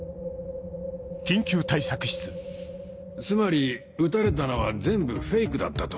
つまり撃たれたのは全部フェイクだったと？